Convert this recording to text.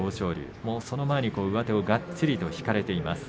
その前に上手をがっちりと引かれています。